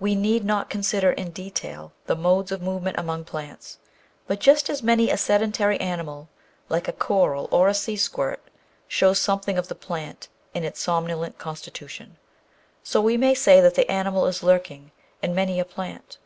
We need not consider in detail the modes of move ment among plants, but just as many a sedentary animal like a coral or a sea squirt shows something of the plant in its somnolent constitution, so we may say that the animal is lurking in many a plant.